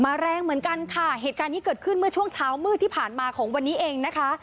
แรงเหมือนกันค่ะเหตุการณ์นี้เกิดขึ้นเมื่อช่วงเช้ามืดที่ผ่านมาของวันนี้เองนะคะ